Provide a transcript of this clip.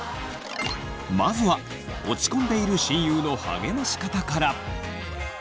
まずは落ち込んでいる親友の励まし方から！